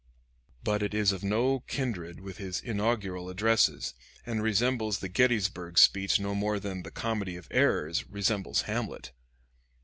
But it is of no kindred with his inaugural addresses, and resembles the Gettysburg speech no more than "The Comedy of Errors" resembles "Hamlet."